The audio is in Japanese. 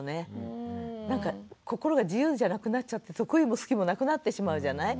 なんか心が自由じゃなくなっちゃって得意も好きもなくなってしまうじゃない。